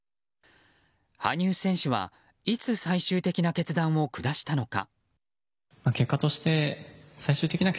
羽生選手はいつ最終的な決断を下したのか。